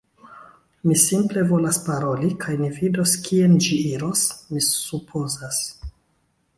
Mi simple volas paroli kaj ni vidos kien ĝi iros, mi supozas.